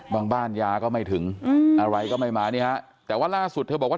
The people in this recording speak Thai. บางบ้านยาก็ไม่ถึงอะไรก็ไม่มาแต่วันล่าสุดเธอบอกว่า